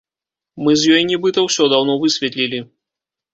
Мы з ёй, нібыта, усё даўно высветлілі.